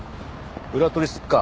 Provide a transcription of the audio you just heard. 裏取りすっか。